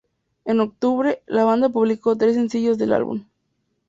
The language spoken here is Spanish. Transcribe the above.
En octubre, la banda publicó tres sencillos del álbum.